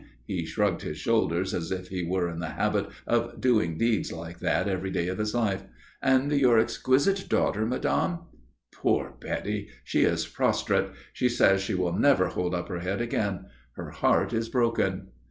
He shrugged his shoulders as if he were in the habit of doing deeds like that every day of his life. "And your exquisite daughter, Madame?" "Poor Betty! She is prostrate. She says she will never hold up her head again. Her heart is broken."